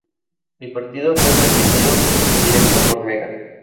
El partido fue transmitido en directo por Mega.